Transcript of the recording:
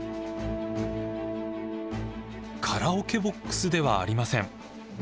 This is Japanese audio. カラオケボックスではありません。